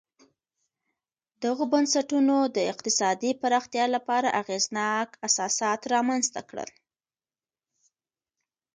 دغو بنسټونو د اقتصادي پراختیا لپاره اغېزناک اساسات رامنځته کړل